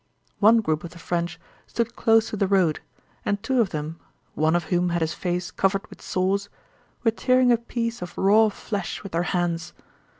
One group of the French stood close to the road, and two of them, one of whom had his face covered with sores, were tearing a piece of raw flesh with their hands.